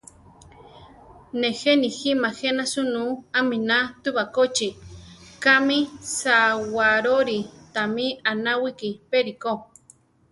Nijé nijíma jéna sunú aminá tu bakóchi, kami Sawaróri, támi anáwiki pe ríko.